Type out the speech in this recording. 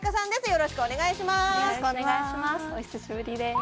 よろしくお願いします